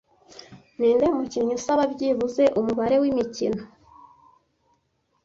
Ninde mukinnyi usaba byibuze umubare wimikino